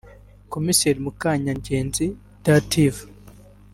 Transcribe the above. Komiseri Mukanyagenzi Dativa